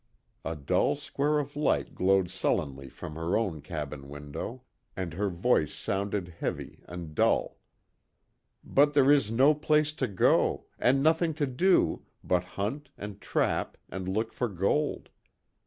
A dull square of light glowed sullenly from her own cabin window, and her voice sounded heavy and dull: "But, there is no place to go, and nothing to do, but hunt, and trap, and look for gold.